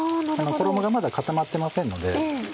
衣がまだ固まってませんので。